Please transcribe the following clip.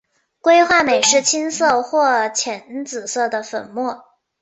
硅化镁是青色或浅紫色的粉末。